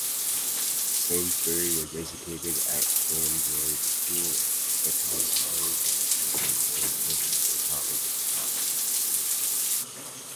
Sainsbury was educated at Sandroyd School, Eton College, and Worcester College, Oxford.